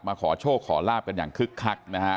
ขอโชคขอลาบกันอย่างคึกคักนะฮะ